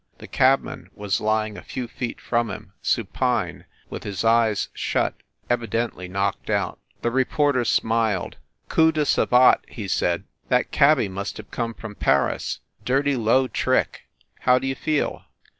The cabman was lying a few feet from him, supine, with his eyes shut, evidently knocked out. The reporter smiled. "Coup de savatte," he said. "That cabby must have come from Paris. Dirty low trick. How d you feel?"